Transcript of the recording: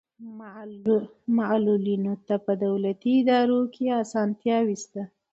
معلولینو ته په دولتي ادارو کې اسانتیاوې شته.